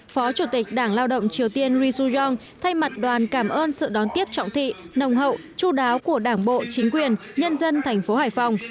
phó chủ tịch đảng lao động triều tiên ri suyong thay mặt đoàn cảm ơn sự đón tiếp trọng thị nồng hậu chú đáo của đảng bộ chính quyền nhân dân thành phố hải phòng